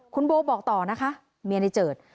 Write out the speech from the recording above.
คุณโบบอกต่อนะคะเมียในเจิด